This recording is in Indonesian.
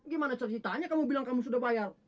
gimana ceritanya kamu bilang kamu sudah bayar